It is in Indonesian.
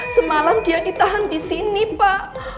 semalam dia ditahan disini pak